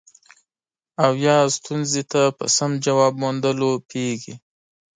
او یا ستونزې ته په سم ځواب موندلو پوهیږي.